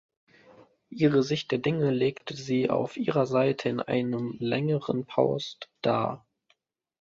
Ihre Sicht der Dinge legte sie auf ihrer Seite in einem längeren Post dar.